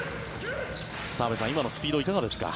澤部さん、今のスピードいかがですか？